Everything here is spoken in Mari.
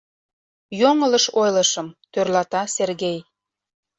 Йоҥылыш ойлышым, — тӧрлата Сергей.